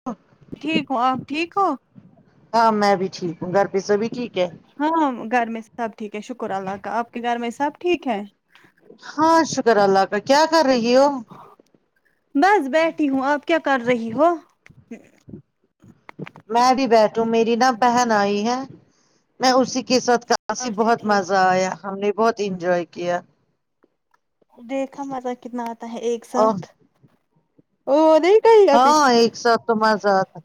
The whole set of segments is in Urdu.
[unintelligible] ٹھیک ہوں آپ ٹھیک ہو ہاں میں بھی ٹھیک ہوں گھر پے سبھی ٹھیک ہے ہاں گھر میں سب ٹھیک ہے شکر اللہ کا آپ کے گھر میں سب ٹھیک ہے ہاں شکر اللہ کا کیا کر رہی ہو بس بیٹھی ہوں آپ کیا کر رہی ہو میں بھی بیٹھوں میری نا بہن آئی ہے میں اسی کے ساتھ کا سے اچھا بہت ٹھیک مزہ آیا ہم نے بہت انجوائے کیا دیکھا مزا کتنا آتا ہے ایک اور ساتھ وہ دیک ہاں ایک ساتھ تو مزا آتا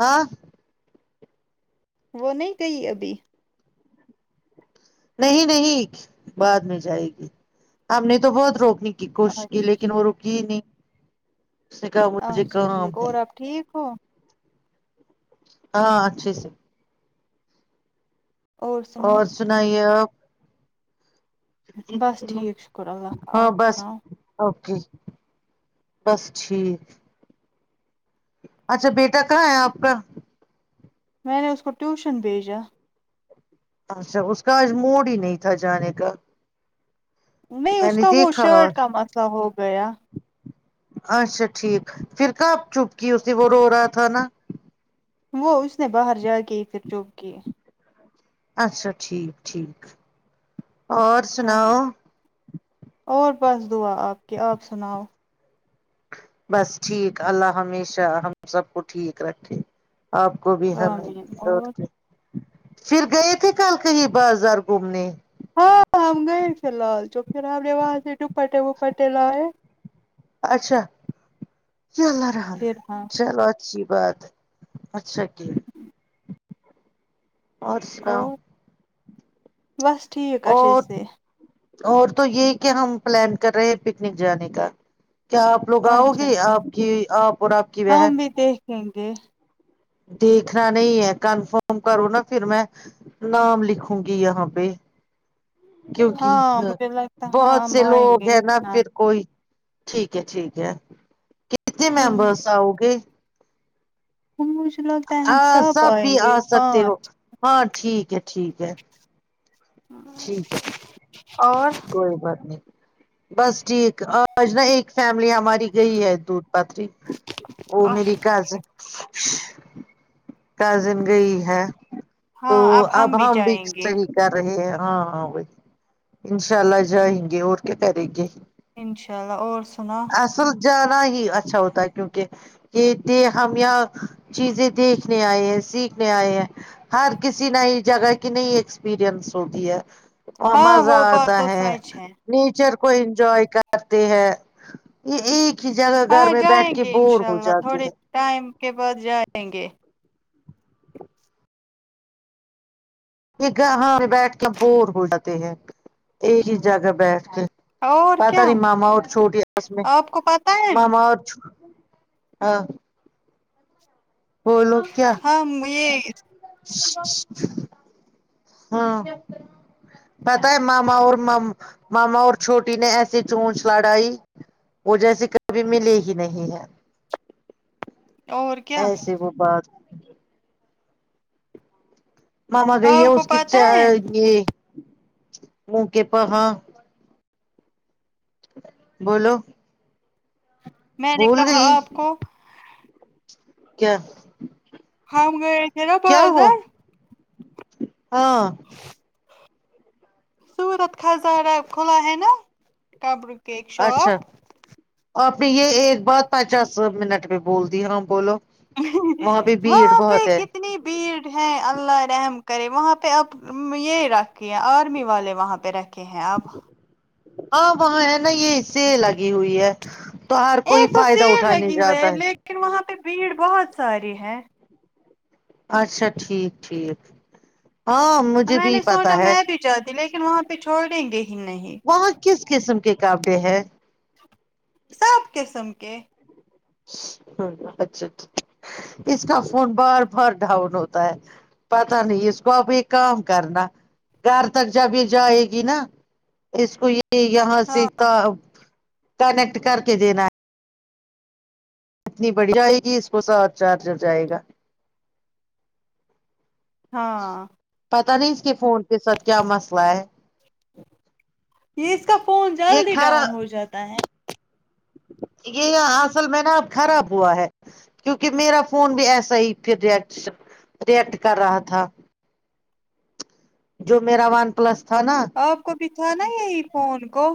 ہاں وہ نہیں گئی ابھی نہیں نہیں بعد میں جائے گی ہم نے تو بہت روکنی کی کوشش کی اچھا لیکن وہ رکی ہی نہیں اس نے کہا مجھے اچھا کام ٹھیک ہے اور ٹھیک ہو ہاں اچھے سے اور سنائیے آپ بس ٹھیک شکر اللہ کا ہاں آپ بس سناؤ اوکے بس ٹھیک اچھا بیٹا کہاں ہے آپ کا میں نے اس کو ٹیوشن بھیجا اچھا اس کا آج موڈ ہی نہیں تھا جانے کا نہیں میں اس نے کا وہ دیکھا شرٹ آج۔ کا مسئلہ ہو گیا اچھا ٹھیک پھر کب چپ کی اسے وہ رو رہا تھا نا وہ اس نے باہر جا کے ہی پھر چپ کی اچھا ٹھیک ٹھیک اور ہاں سناؤ اور بس دعا ہے آپ کے آپ سناؤ بس ٹھیک اللہ ہمیشہ ہم سب کو ٹھیک رکھے آپ کو بھی ہمیں آمین بہت اور خوب پھر گئے تھے کل کہیں بازار گھومنے ہاں ہم گئے تھے لال چوک پھر ہم نے وہاں سے ڈپٹے وپٹے لائے اچھا یا اللہ رحم پھر ہاں چلو اچھ صبح تک اچھا کیا اور سناؤ بس ٹھیک اچھے اور سے اور تو یہی کہ ہم پلان کر رہے ہیں پکنک جانے کا کیا آپ لوگ اچھا آؤگے ٹھیک آپ کی آپ اور آپ کی بہن رہینگے دیکھنا نہیں ہے کنفرم کرو نا کہ میں نام لکھوں گی یہاں پہ کیونکہ ہاں مجھے لگتا ہے بہت ہاں ہم سے آئیں لوگ گے ہیں نا لکھنا پھر کوئی ٹھیک ہے ٹھیک ہے کتنے ہاں ممبرس آؤ گے [unintelligible] ہاں سب آئیں بھی گے آ سکتے ہو پانچ ہاں ٹھیک ہے ٹھیک ہے امم ٹھیک ہے اور کوئی بات نہیں بس ٹھیک آج نا ایک فیملی ہماری یہی ہے دودھ پاتری وہ میری اچھا گھر سے کازن گئی ہے تو اب ہم بھی کس طریقے کر رہی ہے ہاں ہاں وہی انشاء اللہ جائیں گے اور کیا کریں گے انشاء اللہ اور سنا سلجھانا ہی اچھا ہوتا ہے کیونکہ دیکھتے ہے ہم یہاں چیزیں دیکھنے آئے ہیں سیکھنے آئے ہیں ہر کسی نںی جگہ کی نہیں ایکسپرینس ہوتی ہے اور ہاں وہ بات آتا تو ہے سچ نیچر کو انجوائے کرتے ہیں کی جگہ گھر ہاں میں بیٹھ جائیں کے گے بور انشاء ہو اللہ جاتے تھوڑے ہیں ٹائم کے بعد جائیں گے ایک ہاں بیٹھ کے بور ہور ہوجاتے ہیں ایک ہی جگہ بیٹھ کے اور پتہ کیا نہیں ماما اور چھوٹی یاسمین آپ کو پتہ ہے ماما اور چھو ہاں بو لو کیا ہاں یہ ہاں پتہ ہے ماما اور ماما اور چھوٹی نے ایسی چونچ لڑائی وہ جیسے کبھی ملے ہی نہیں ہے اور کیا ایسے وہ بات ماما گئی ہے آپ کو اس کی پتا ہے یہ منہ کے پ ہاں بولو میں نے بھول کہا گئی آپ کو کیا ہم گئے تھے نا کیا ہو بازار ہاں صورت خزارہ کھلا ہ نا قبر کی ایک اچھا شاپ آپ نے یہ ایک بات پچاس منٹ میں بول دی ہاں بولو وہاں پہ بھیڑ وہاں پہ بہت ہے کتنی بھیڑ ہے اللہ رحم کرے وہاں پہ آپ یہ رکھ کے آرمی والے وہاں پہ رکھے ہیں اپ ہاں وہاں ہے نا یہ اس سے لگی ہوئی ہے تو ہر کوئی ایک تو فائدہ سیل اٹھانے لگی ہوئی جاتا ہے لیکن وہاں پہ بھیڑ بہت ساری ہے اچھا ٹھیک ٹھیک ہاں مجھے میں بھی نے پتا سوچا ہے میں بھی جاتی لیکن وہاں پہ چھوڑ دیں گے ہی نہیں وہاں کس قسم کے کاپڈے ہیں سب قسم کے ہ اچھا اچھا اس کا فون بار بار ڈاؤن ہوتا ہے پتاہ نہیں اس کو اب ایک کام کرنا گھر تک جب یہ جائے گی نا اس کو یہ یہاں سے ہاں ایتا کنیکٹ کر کے دینا ہے اتنی بڑی جائے گی اس کو سات چارجر جائے گا ہاں پتا نہیں اس کے فون کے ساتھ کیا مسئلہ ہے یہ اس کا فون یہ جلدی خرا ڈاؤن ہو جاتا ہے یہ یہ اصل میں نا اب خراب ہوا ہے کیونکہ میرا فون بھی ایسا ہی پھر ریس رییکٹ کر رہا تھا جو میرا ون پلس تھا نا آپ کو بھی تھا نا یہی فون کو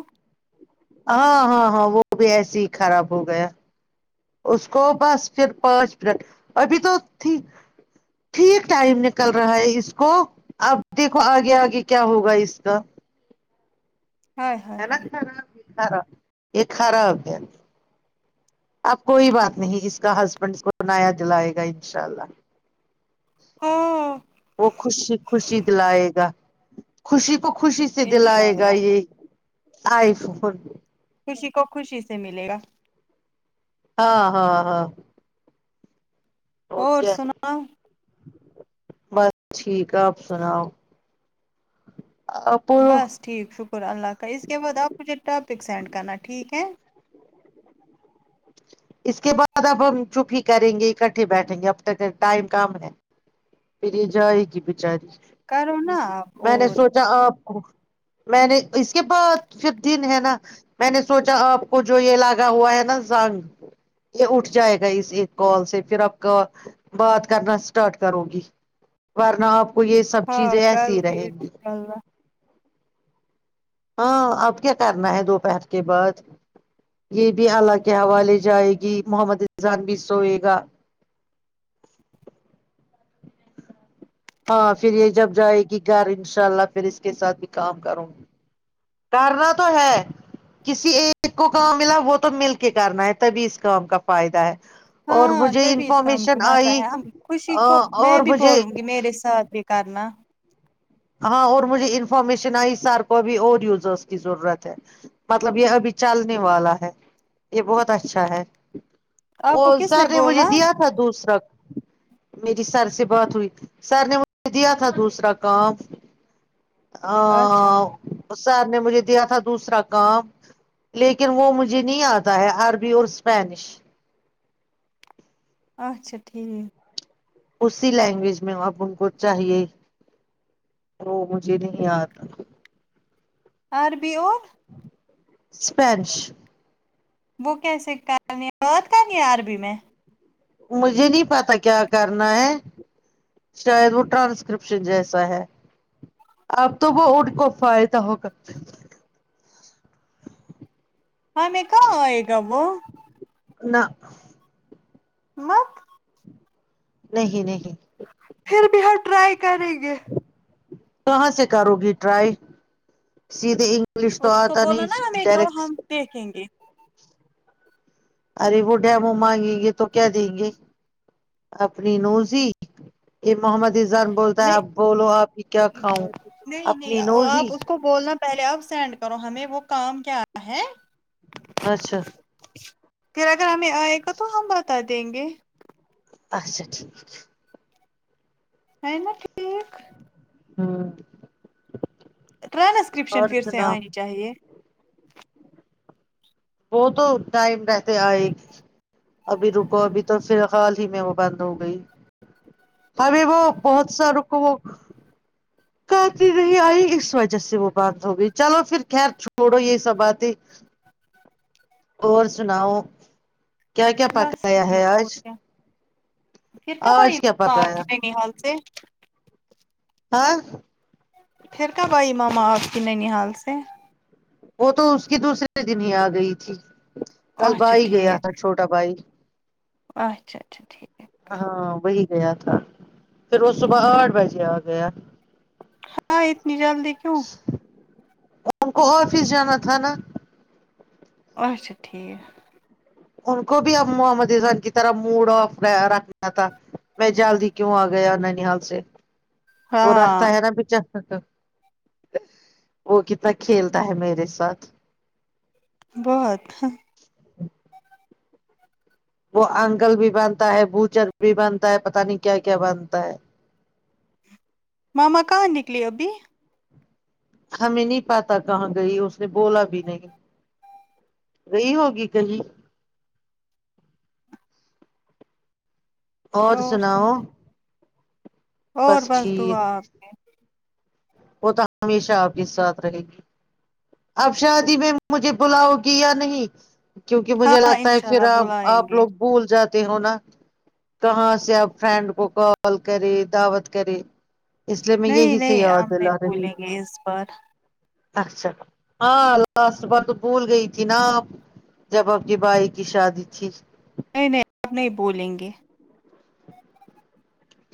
ہاں ہاں ہاں وہ بھی ایسے ہی خراب ہو گیا اس کو بس پھر پانچ منٹ ابھی تو تھی ٹھیک ٹائم نکل رہا ہے اس کو اب دیکھو آگے آگے کیا ہوگا اس کا ہائے ہائے ہےنا ہائے کھارا باکھارا یا خراب ہے اب کوئی بات نہیں اس کا ہسبینڈ اس کو بنایا دلائے گا انشاء اللہ ہاں وہ خوشی خوشی دلائے گا خوشی کو خوشی سے انشاء دلائے گا اللہ یہ آئی فون خوشی کو خوشی سے ملے گا ہاں ہاں ہاں اور کیا بس ٹھیک ہے اپ سناؤ [inaudible] بس ٹھیک شکر اللہ کا اس کے بعد اپ مجھے ٹاپک سینڈ کرنا ٹھیک ہے اس کے بعد اب ہم چپی کریں گے اکٹھے بیٹھیں گے اب تک ٹائم کم ہے پھر یہ جائے گی بچاری کرو نا اور کیا اپ کو میں نے اس کے بعد پھر دن ہے نا میں نے سوچا اپ کو جو یہ لگا ہوا ہے نا زنگ یہ اٹھ جائے گا اس ایک کال سے پھر اپ کا بات کرنا اسٹارٹ کرو گی ورنہ اپ کو یہ سب ہاں چیزیں کرو ایسی رہیں گی انشاء اللہ ہاں اب کیا کرنا ہے دوپہر کے بعد یہ بھی اللہ کے حوالے جائے گی محمد رضوان بھی سوئے گا ہاں پھر یہ جب جائے گی گھر ان شاء اللہ پھر اس کے ساتھ بھی کام کروں گی کرنا تو ہے کسی ایک کو کام ملا وہ تو مل کے کرنا ہے تبھی اس کام کا فائدہ ہے اور ہاں مجھے تبھی اس کام انفارمیشن کماتا آئی ہے ہم خوشی کو میں اور بھی مجھے بولوں گی میرے ساتھ بھی کرنا ہاں اور مجھے انفارمیشن ائی سار کو بھی اور یوزرس کی ضرورت ہے مطلب یہ ابھی چلنے والا ہے یہ بہت اچھا ہے آپ وہ کو کس سر نے مجھے بولا دیا تھا دوسرا میری سر سے بات ہوئی سر نے مجھے دیا تھا دوسرا کام اچھا آا سر نے مجھے دیا تھا دوسرا کام لیکن وہ مجھے نہیں اتا ہے عربی اور اسپینش اچھا ٹھیک اسی لینگویج میں اب ان کو چاہیے وہ مجھے نہیں اتا آر بی اور ایسپانچ وہ کیسے کرنی بات کرنی عربی میں مجھے نہیں پتا کیا کرنا ہے شاید وہ ٹرانسکرپشن جیسا ہے اپ تو وہ ان کو فائدہ ہو گا ہمیں کہاں ائے گا وہ نا مت نہیں نہیں پھر بھی ہم ٹرائی کریں گے کہاں سے کرو گی ٹرائی سیدھے پولیس تو اس کو اتا بولو نہیں نا ہمیں تو ڈائریکٹ ہم دیکھیں گے ارے وہ ڈمو مانگیں گے تو کیا دیں گے اپنی نوزی یہ محمد زان بولتا ہے نہیں اب بولو آ پی کیا کھاؤں نہیں اپنی نہیں نوزی آپ اس کو بولنا پہلے آپ سینڈ کرو ہمیں وہ کام کیا ہے اچھا پھر اگر ہمیں آئے گا تو ہم بتا دیں گے اچھا ٹھیک ہے نا ٹھیک ہمم ٹرانسکرپشن پھر سے آنی چاہیے وہ تو ٹائم رہتے ہے آئگی ابھی رکو ابھی تو فیلحال ہی میں وہ بند ہو گئی اب وہ بہت سا روک وہ آتی نہیں آئی اس وجہ سے وہ بند ہو گئی چلو پھر خیر چھوڑو یہ سب باتیں اور سناؤ کیا کیا پکایا ہے آج کتنا پائی آج کیا اپ پکایا ک حال سے ہاں پھر کب آئی ماما آپ کی ننیحال سے وہ تو اس کی دوسرے دن ہی آ گئی تھی کل اچھا بھائی گیا ٹھیک تھا چھوٹا بھائی اچھا اچھا ٹھیک ہے ہاں وہی گیا تھا پھر وہ صبح آٹھ بجے آ گیا ہاں اتنی جلدی کیوں ان کو آفس جانا تھا نا اچھا ٹھیک ان کو بھی اب محمد ازان کی طرح موڈ آف رکھنا تھا میں جلد ہی کیوں آ گیا ننیال سے وہ ہاں رکھتا ہے نا پچ وہ کتنا کھیلتا ہے میرے ساتھ بہت وہ انکل بھی بنتا ہے بوچر بھی بنتا ہے پتا نہیں کیا کیا بنتا ہے ماما کہاں نکلی ابھی ہمیں نہیں پاتا کہاں گئی اس نے بولا بھی نہیں گائی ہوگی کہی اور سناؤ اور بس دعا آپ کی وہ تو ہمیشہ آپ کے ساتھ رہے گی اب شادی میں مجھے بلاؤگی یا نہیں کیونکہ مجھے ہاں لگتا ہے انشاء پھر اللہ آپ بلائیں آپ گے لوگ بھول جاتے ہو نا کہاں سے آپ فرینڈ کو کال کرے دعوت کرے اس لیے میں نہیں یہی سے نہیں یاد ہم نہیں دلا رہی بھولیں ہوں گے اس بار اچھا ہاں لاسٹ بار تو بھول گئی تھی نا آپ جب آپکی بھائی کی شادی تھی نہیں نہیں اب نہیں بولیں گے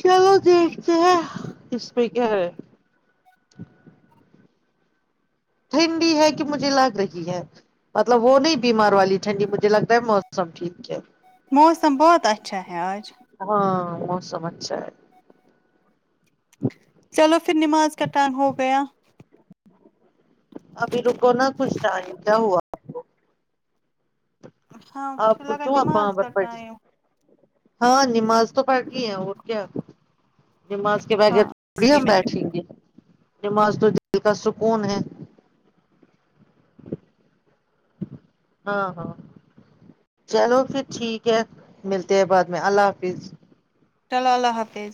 چلو دیکھتے ہیں اس میں کیا ہے ٹھنڈی ہے کہ مجھے لگ رہی ہے مطلب وہ نہیں بیمار والی ٹھنڈی مجھے لگ رہا ہے موسم ٹھیک ہے موسم بہت اچھا ہے آج ہاں موسم اچھا ہے چلو پھر نماز کا ٹائم ہوگیا ابھی رکو نا کچھ ٹائم کیا ہوا ہاں آپ مجھے لگا پوچھو آپ نماز بٹ کا فائس ٹائم ہاں نماز تو پڑلی ہے اور کیا نماز کے ہاں بغیر اسی تھوڑی لیے ہم میں نے بیٹھیں گے نماز تو دل کا سکون ہے ہاں ہاں چلو پھر ٹھیک ہے ملتے ہیں بعد میں اللہ حافظ چلو اللہ حافظ